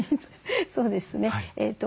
そうですね。